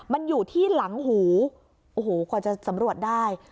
มันอยู่ที่หลังหูโอ้โหกว่าจะสำรวจได้